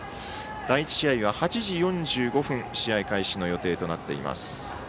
第１試合は８時４５分試合開始の予定となっています。